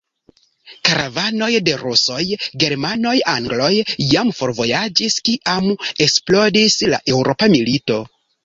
Karavanoj de Rusoj, Germanoj, Angloj jam forvojaĝis, kiam eksplodis la eŭropa milito.